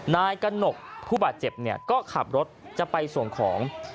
นายกระหนกผู้บาดเจ็บเนี่ยก็ขับรถจะไปส่งของ